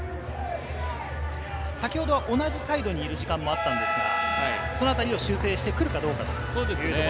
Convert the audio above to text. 先ほどは同じサイドにいる時間もありましたが、そのあたりを修正してくるかどうか。